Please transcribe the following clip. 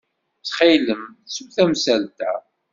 Ttxil-m, ttu tamsalt-a.